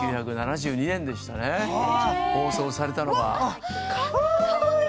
１９７２年でした放送されたのが。